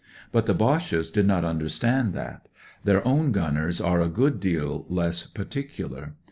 But the Boches did not understand that. Their own gunners are a good deal less particular.